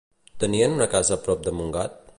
Tenien una casa prop de Montgat?